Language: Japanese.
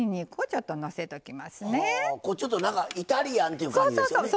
ちょっとなんかイタリアンっていう感じですよね。